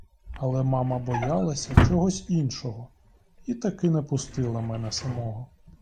Але мама боялася чогось іншого і таки не пустила мене самого.